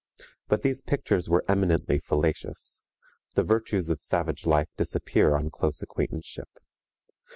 But these pictures were eminently fallacious: the virtues of savage life disappear on close acquaintanceship.